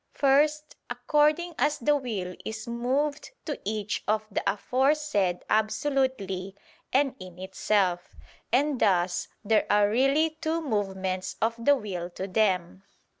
First, according as the will is moved to each of the aforesaid absolutely and in itself. And thus there are really two movements of the will to them.